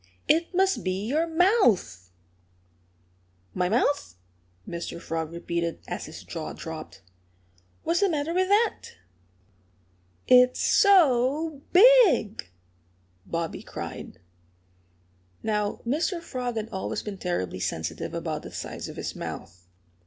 It must be your mouth!" "My mouth!" Mr. Frog repeated, as his jaw dropped. "What's the matter with that?" "It's so big!" Bobby cried. Now, Mr. Frog had always been terribly sensitive about the size of his mouth.